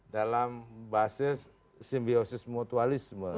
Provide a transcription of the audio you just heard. dalam bahasa simbiosis mutualisme